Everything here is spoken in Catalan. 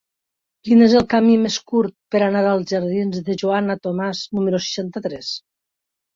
Quin és el camí més curt per anar als jardins de Joana Tomàs número seixanta-tres?